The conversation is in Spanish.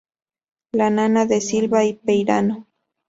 La nana, de Silva y Peirano.